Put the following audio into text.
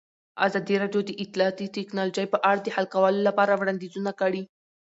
ازادي راډیو د اطلاعاتی تکنالوژي په اړه د حل کولو لپاره وړاندیزونه کړي.